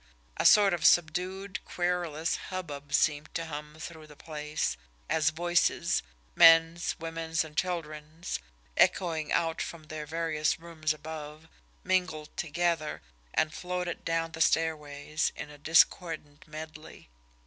A sort of subdued, querulous hubbub seemed to hum through the place, as voices, men's, women's, and children's, echoing out from their various rooms above, mingled together, and floated down the stairways in a discordant medley.